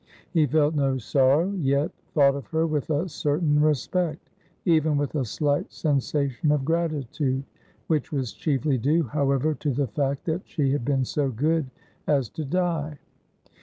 He felt no sorrow, yet thought of her with a certain respect, even with a slight sensation of gratitude, which was chiefly due, however, to the fact that she had been so good as to die.